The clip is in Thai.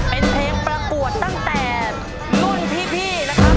เป็นเพลงประกวดตั้งแต่รุ่นพี่นะครับ